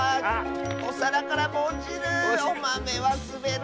おさらからもおちる。